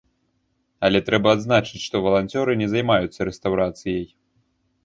Але трэба адзначыць, што валанцёры не займаюцца рэстаўрацыяй.